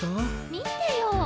見てよ！